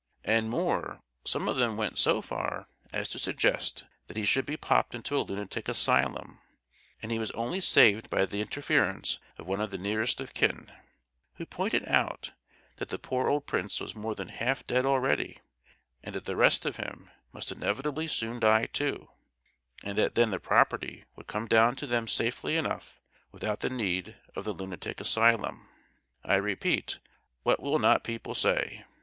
And more, some of them went so far as to suggest that he should be popped into a lunatic asylum; and he was only saved by the interference of one of the nearest of kin, who pointed out that the poor old prince was more than half dead already, and that the rest of him must inevitably soon die too; and that then the property would come down to them safely enough without the need of the lunatic asylum. I repeat, what will not people say?